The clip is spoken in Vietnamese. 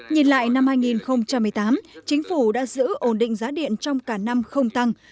nhìn lại năm hai nghìn một mươi tám chính phủ đã giữ ổn định giá điện trong cả năm không tăng